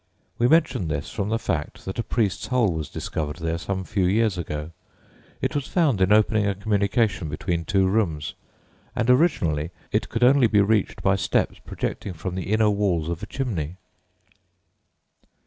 We mention this from the fact that a priest's hole was discovered there some few years ago. It was found in opening a communication between two rooms, and originally it could only be reached by steps projecting from the inner walls of a chimney.